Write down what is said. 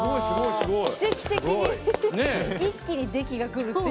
奇跡的に一気にデキがくるって。